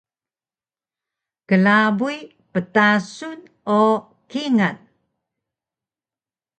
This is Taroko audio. klabuy ptasun o kingal